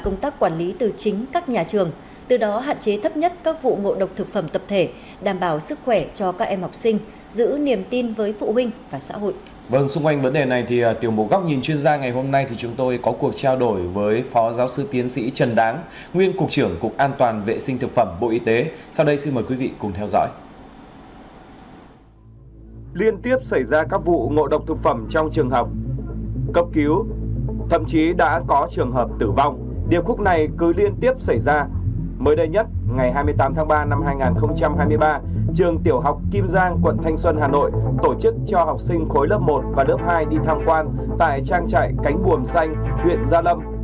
ngày hai mươi tám tháng ba năm hai nghìn hai mươi ba trường tiểu học kim giang quận thanh xuân hà nội tổ chức cho học sinh khối lớp một và lớp hai đi tham quan tại trang trại cánh buồm xanh huyện gia lâm